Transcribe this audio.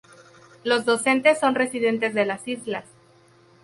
Los docentes son residentes de las islas.